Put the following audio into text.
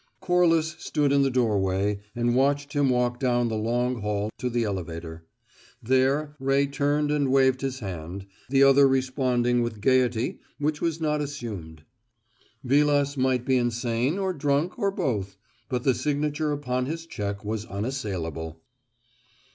Corliss stood in the doorway and watched him walk down the long hall to the elevator. There, Ray turned and waved his hand, the other responding with gayety which was not assumed: Vilas might be insane, or drunk, or both, but the signature upon his cheque was unassailable.